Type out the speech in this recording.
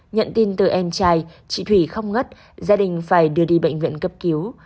nhận tin từ em trai chị thủy không ngất gia đình phải đưa đi bệnh viện cấp cứu